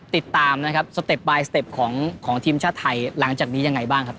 ติดตามนะครับของของทีมชาติไทยหลังจากนี้ยังไงบ้างครับ